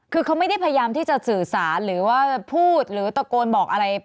คือเขาไม่ได้พยายามที่จะสื่อสารหรือว่าพูดหรือตะโกนบอกอะไร